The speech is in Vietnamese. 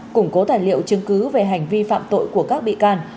củng cố tài liệu chứng cứ về hành vi phạm tội của các bị can